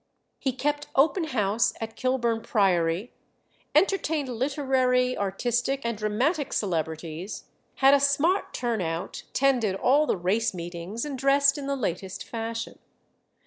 He kept open house at Kilburn Priory; entertained literary, artistic, and dramatic celebrities; had a smart "turn out," attended all the race meetings, and dressed in the latest fashion.